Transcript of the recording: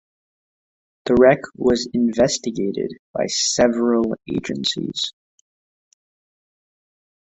The wreck was investigated by several agencies.